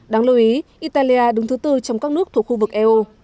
đáng lưu ý italia đứng thứ bốn trong các nước thuộc khu vực eo